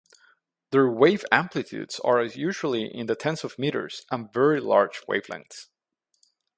Their wave amplitudes are usually in the tens of meters and very large wavelengths.